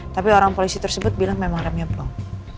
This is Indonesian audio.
tapi orang polisi tersebut bilang memang remnya blong